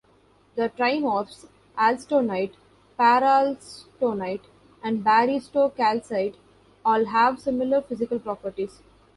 The trimorphs alstonite, paralstonite, and barytocalcite all have similar physical properties.